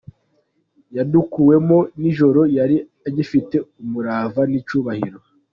Yadukuwemo nijoro yari agifite umurava n’ icyubahiro".